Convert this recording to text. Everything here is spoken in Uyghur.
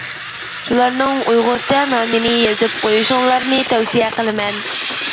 شۇلارنىڭ ئۇيغۇرچە نامىنى يېزىپ قۇيۇشۇڭلارنى تەۋسىيە قىلىمەن.